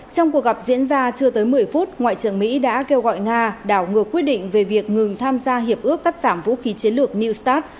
trong cuộc gặp diễn ra chưa tới một mươi phút ngoại trưởng mỹ đã kêu gọi nga đảo ngược quyết định về việc ngừng tham gia hiệp ước cắt giảm vũ khí chiến lược new start